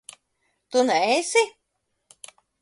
Tu neesi?